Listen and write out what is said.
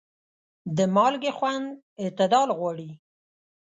د مالګې خوند اعتدال غواړي.